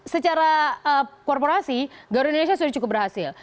secara korporasi garuda indonesia sudah cukup berhasil